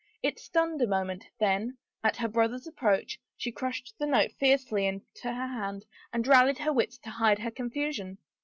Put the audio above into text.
It stunned a moment, then, at her brother's approach, she crushed the note fiercely into her hand and rallied her wits to hide their confusion.